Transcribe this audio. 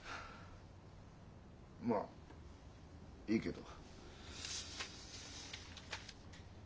まあいいけど。